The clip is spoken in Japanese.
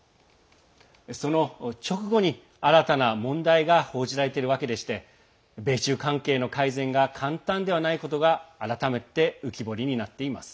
その直後に、新たな問題が報じられているわけでして米中関係の改善が簡単ではないことが改めて浮き彫りになっています。